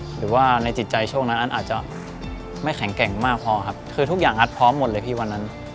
หรือว่าในจิตใจช่วงนั้นอันอาจจะไม่แข็งแกร่งมากพอครับคือทุกอย่างอัดพร้อมหมดเลยพี่วันนั้น